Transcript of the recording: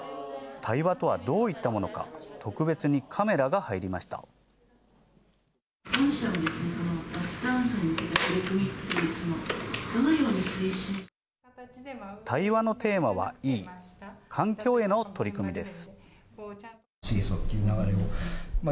対話のテーマは「Ｅ」、環境への取り組みです。